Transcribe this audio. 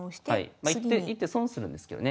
まあ１手損するんですけどね。